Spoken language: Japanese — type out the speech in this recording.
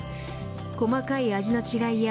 細かい味の違いや